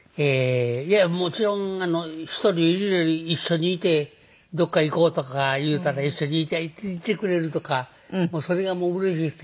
いやもちろん１人でいるより一緒にいて「どこか行こう」とか言うたら一緒に行ってくれるとかそれがもううれしくて。